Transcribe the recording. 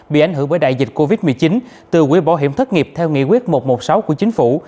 bị ảnh hưởng bởi đại dịch covid một mươi chín từ quỹ bảo hiểm thất nghiệp theo nghị quyết một trăm một mươi sáu của chính phủ